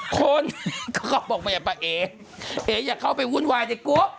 คนก็บอกมาอย่าไปเอ๊อย่าเข้าไปหุ้นวายเนี่ยกรุ๊ป